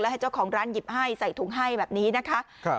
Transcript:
ให้เจ้าของร้านหยิบให้ใส่ถุงให้แบบนี้นะคะ